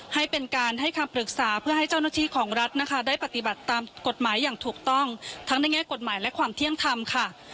ให้เป็นการให้คำปรึกษาเพื่อให้เจ้าหน้าที่ของรัฐนะคะได้ปฏิบัติตามกฎหมายอย่างถูกต้องทั้งในแง่กฎหมายและความเที่ยงธรรมค่ะ